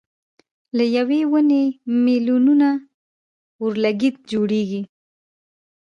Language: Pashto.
له یوې ونې مېلیونه اورلګیت جوړېږي.